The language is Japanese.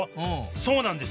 そうなんです！